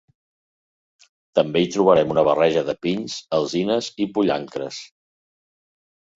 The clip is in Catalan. També hi trobarem una barreja de pins, alzines i pollancres.